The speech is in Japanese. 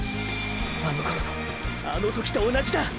あの頃のあの時と同じだ。